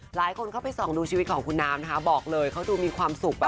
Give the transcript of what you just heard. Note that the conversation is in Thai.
หลายคนเข้าไปส่องดูชีวิตของคุณน้ำนะคะบอกเลยเขาดูมีความสุข